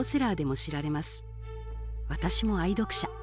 私も愛読者。